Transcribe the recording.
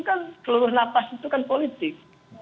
kan seluruh nafas itu kan politik